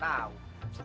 tidak ada duit